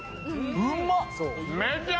うまっ！